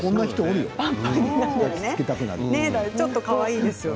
ちょっとかわいいですよね。